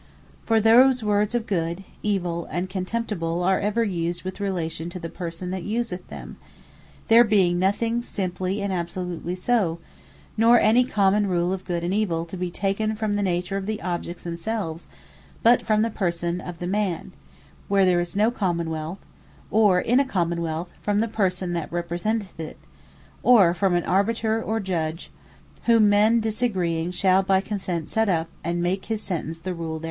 For these words of Good, evill, and Contemptible, are ever used with relation to the person that useth them: There being nothing simply and absolutely so; nor any common Rule of Good and evill, to be taken from the nature of the objects themselves; but from the Person of the man (where there is no Common wealth;) or, (in a Common wealth,) From the Person that representeth it; or from an Arbitrator or Judge, whom men disagreeing shall by consent set up, and make his sentence the Rule thereof.